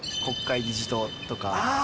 国会議事堂とか。